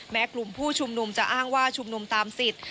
กลุ่มผู้ชุมนุมจะอ้างว่าชุมนุมตามสิทธิ์